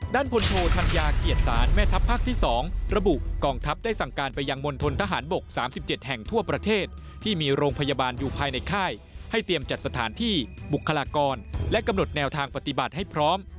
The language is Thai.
พลโทธัญญาเกียรติศาลแม่ทัพภาคที่๒ระบุกองทัพได้สั่งการไปยังมณฑนทหารบก๓๗แห่งทั่วประเทศที่มีโรงพยาบาลอยู่ภายในค่ายให้เตรียมจัดสถานที่บุคลากรและกำหนดแนวทางปฏิบัติให้พร้อม